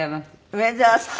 梅沢さん